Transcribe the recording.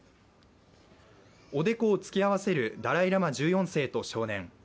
おでこを突き合わせるダライ・ラマ１４世と少年。